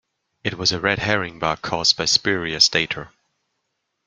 It was a red herring bug caused by spurious data.